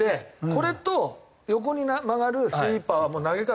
これと横に曲がるスイーパーはもう投げ方